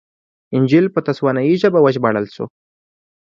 انجییل په تسوانایي ژبه وژباړل شو.